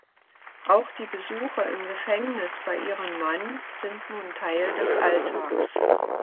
Auch die Besuche im Gefängnis bei ihrem Mann sind nun Teil des Alltags.